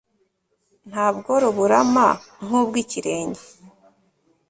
nta bworo burama nkubwo ikirenge